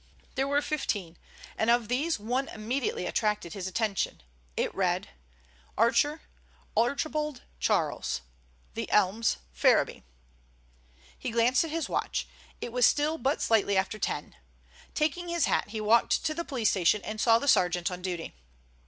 There were fifteen, and of these one immediately attracted his attention. It read: "Archer, Archibald Charles, The Elms, Ferriby." He glanced at his watch. It was still but slightly after ten. Taking his hat he walked to the police station and saw the sergeant on duty.